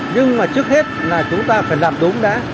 nhưng mà trước hết là chúng ta phải làm đúng đã